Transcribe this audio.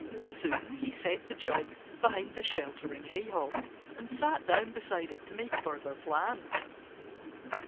Soon he set the jug behind the sheltering haycock and sat down beside it to make further plans.